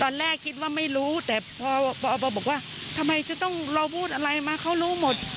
ตอนแรกคิดว่าไม่รู้แต่พอบอกว่าทำไมจะต้องเราพูดอะไรมาเขารู้หมด